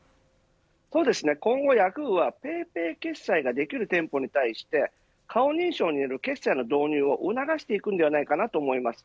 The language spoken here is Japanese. そうですね、今後ヤフーはＰａｙＰａｙ決済ができる店舗に対して顔認証による決済の導入を促していくんではないかと思います。